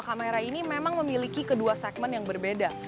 kamera ini memang memiliki kedua segmen yang berbeda